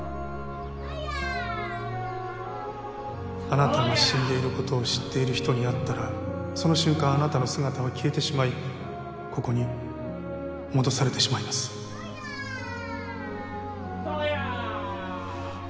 あなたが死んでいることを知っている人に会ったらその瞬間あなたの姿は消えてしまいここに戻されてしまいますトヤ！！